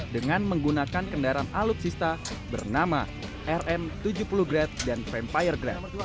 dengan menggunakan kendaraan alutsista bernama rm tujuh puluh grad dan vampire grab